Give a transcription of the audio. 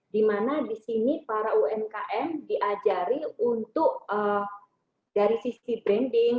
dimana di sini para umkm diajari untuk dari sisi branding